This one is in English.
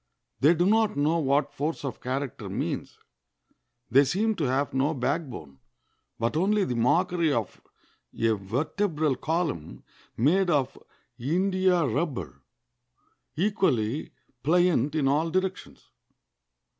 They do not know what force of character means. They seem to have no backbone, but only the mockery of a vertebral column made of india rubber, equally pliant in all directions.